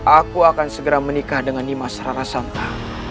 aku akan segera menikah dengan dimas rarasanta